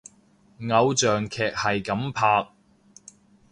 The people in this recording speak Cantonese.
偶像劇係噉拍！